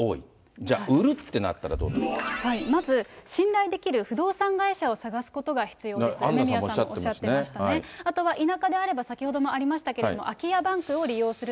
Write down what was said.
じゃあ、売るってなまず信頼できる不動産会社をアンナさんもおっしゃっていあとは田舎であれば、先ほどもありましたけれども、空き家バンクを利用すると。